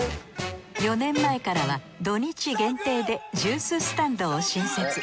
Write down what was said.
４年前からは土日限定でジューススタンドを新設。